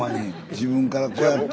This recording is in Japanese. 自分からこうやって。